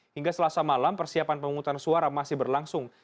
hingga selasa malam persiapan pemungutan suara masih berlangsung